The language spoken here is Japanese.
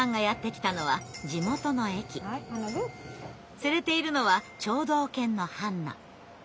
連れているのは聴導犬のハンナ。